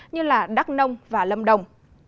như là đắk nông và lâm đồng